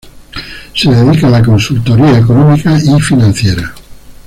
Se dedica a la consultoría económica y financiera.